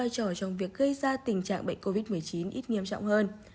trong việc gây ra tình trạng bệnh covid một mươi chín ít nghiêm trọng hơn